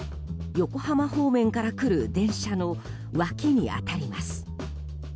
横浜方面から来る電車の脇に当たります。